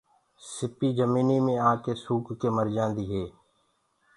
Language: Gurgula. سيٚپ ڌرتيو مي آڪي سوُڪ ڪي مرجآندآ هي۔